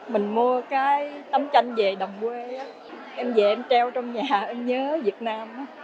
mình mua cái tấm tranh về đồng quê em vẽ em treo trong nhà em nhớ việt nam